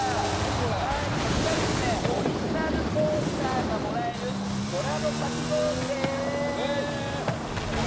こちらはオリジナルのコースターがもらえるコラボかき氷です。